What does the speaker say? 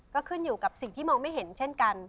ก็ขึ้นอยู่กับสิ่งที่มองไม่เห็นเช่นกัน